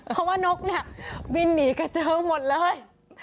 เพราะว่านกเนี่ยบินหนีกระเจิงหมดเลย